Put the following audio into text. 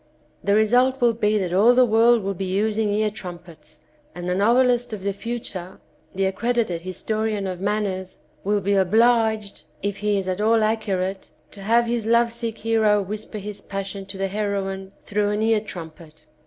The result will be that all the world will be using ear trumpets, and the novelist of the future, the accredited historian of manners, will be obliged, if he is at all accu rate, to have his love sick hero whisper his passion to the heroine through an ear trumpet.